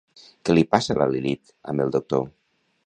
Què li passa a la Lilith amb el doctor?